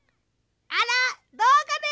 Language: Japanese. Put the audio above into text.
あらどうかね？